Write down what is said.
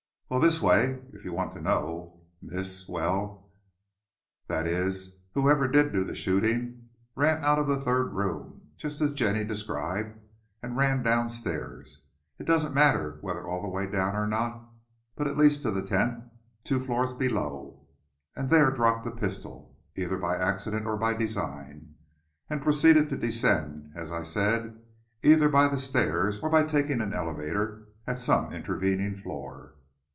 "Well, this way, if you want to know. Miss well, that is, whoever did do the shooting, ran out of the third room, just as Jenny described, and ran downstairs, it doesn't matter whether all the way down or not, but at least to the tenth two floors below, and there dropped the pistol, either by accident or by design, and proceeded to descend, as I said, either by the stairs or by taking an elevator at some intervening floor.